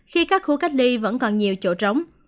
khi các khu cách ly vẫn còn nhiều chỗ trống